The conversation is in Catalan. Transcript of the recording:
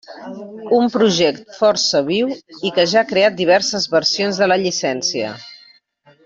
Un project força viu i que ja ha creat diverses versions de la llicència.